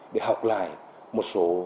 để học lại một số